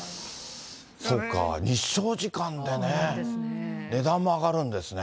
そうか、日照時間でね、値段も上がるんですね。